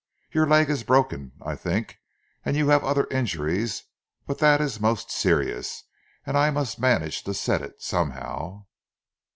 Your leg is broken, I think, and you have other injuries, but that is most serious, and I must manage to set it, somehow."